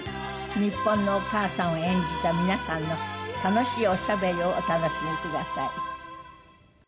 日本のお母さんを演じた皆さんの楽しいおしゃべりをお楽しみください。